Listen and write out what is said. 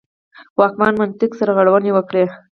واکمنان منطقه سرغړونه وکړي.